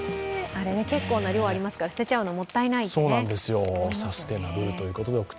結構な量がありますから捨てちゃうのがもったいないですね。